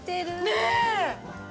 ねえ！